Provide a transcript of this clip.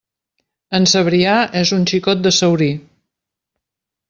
En Cebrià és un xicot de Saurí.